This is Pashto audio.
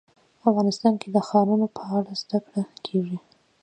افغانستان کې د ښارونو په اړه زده کړه کېږي.